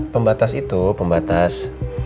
pembatas itu pembatas